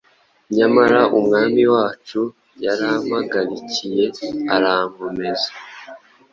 Nyamara Umwami wacu yarampagarikiye, arankomeza,